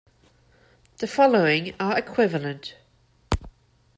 The following are equivalent.